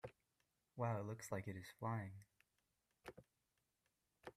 Wow! It looks like it is flying!